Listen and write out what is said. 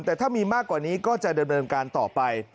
แต่ถ้ามีมากกว่านี้ก็จะดำเนินการต่อไป